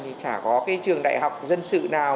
thì chả có cái trường đại học dân sự nào